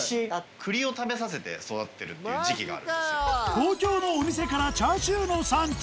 東京のお店からチャーシューの産地